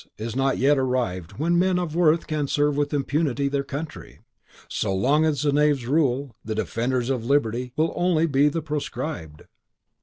is not yet arrived when men of worth can serve with impunity their country. So long as the knaves rule, the defenders of liberty will be only the proscribed."